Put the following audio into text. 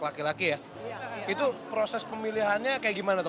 laki laki ya itu proses pemilihannya kayak gimana tuh